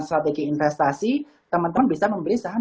strategi investasi teman teman bisa membeli saham